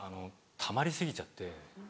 たまり過ぎちゃって。